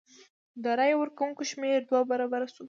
د رای ورکوونکو شمېر دوه برابره شو.